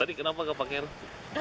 tadi kenapa gak pakai helm